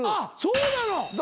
そうなの？